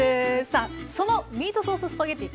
さあそのミートソーススパゲッティ